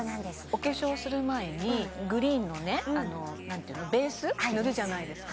お化粧する前にグリーンのベース塗るじゃないですか